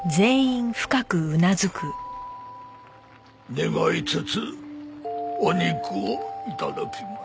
願いつつお肉を頂きます。